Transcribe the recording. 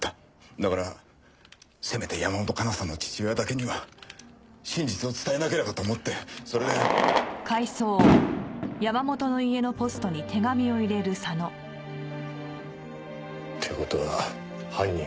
だからせめて山本香奈さんの父親だけには真実を伝えなければと思ってそれで。って事は犯人は。